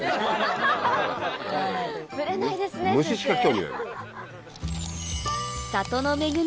ぶれないですね先生。